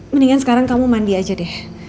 mendingan sekarang kamu mandi aja deh